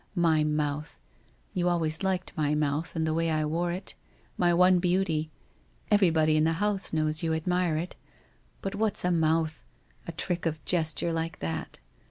My mouth ! You always liked my mouth and the way I wore it. My one beauty ! Everybody in the house knows you admire it! But what's a mouth, or trick of gesture like that?